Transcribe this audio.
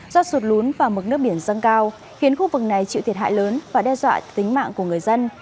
do sụt lún và mức nước biển dâng cao khiến khu vực này chịu thiệt hại lớn và đe dọa tính mạng của người dân